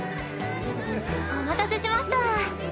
お待たせしました。